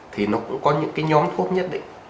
thì nó cũng có những nhóm thuốc nhất định